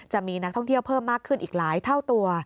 จะมีนักท่องเที่ยวเพิ่มมากขึ้นอีกหลายเท่าตัว